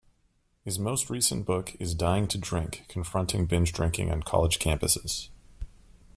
His most recent book, is "Dying to Drink: Confronting Binge Drinking on College Campuses".